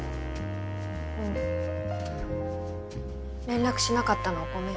うん連絡しなかったのごめん。